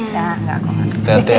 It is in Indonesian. tidak tidak aku yang bilang